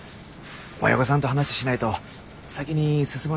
親御さんと話しないと先に進まないから。